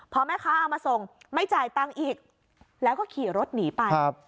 พอแม่ค้าเอามาส่งไม่จ่ายตังค์อีกแล้วก็ขี่รถหนีไป